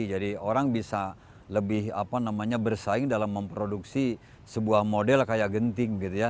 jadi orang bisa lebih bersaing dalam memproduksi sebuah model kayak genting